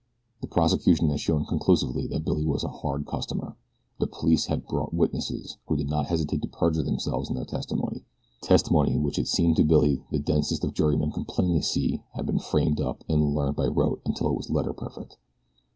The prosecution had shown conclusively that Billy was a hard customer. The police had brought witnesses who did not hesitate to perjure themselves in their testimony testimony which it seemed to Billy the densest of jurymen could plainly see had been framed up and learned by rote until it was letter perfect.